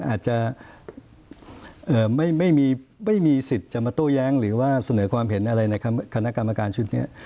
อาจจะไม่มีสิทธิ์จะมาโต้แย้งหรือว่าเสนอความเห็นอะไรในคณะกรรมการชุดนี้